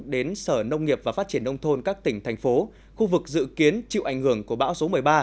đến sở nông nghiệp và phát triển nông thôn các tỉnh thành phố khu vực dự kiến chịu ảnh hưởng của bão số một mươi ba